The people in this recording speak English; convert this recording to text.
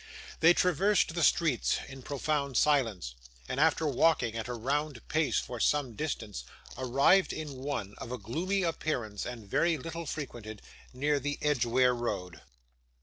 They traversed the streets in profound silence; and after walking at a round pace for some distance, arrived in one, of a gloomy appearance and very little frequented, near the Edgeware Road.